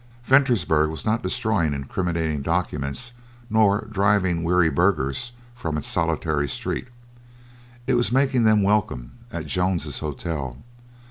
Ventersburg was not destroying incriminating documents nor driving weary burghers from its solitary street. It was making them welcome at Jones's Hotel.